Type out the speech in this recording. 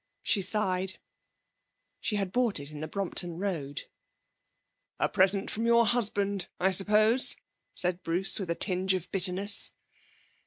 She sighed; she had bought it in the Brompton Road. 'A present from your husband, I suppose?' said Bruce, with a tinge of bitterness.